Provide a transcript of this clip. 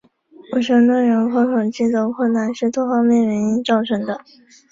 无神论人口统计的困难是多方面原因造成的。